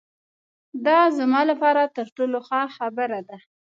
دا زما له پاره تر ټولو ښه خبره ده.